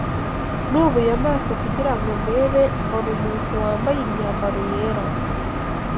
Nubuye amaso kugira ngo ndebe mbona umuntu wambaye imyambaro yera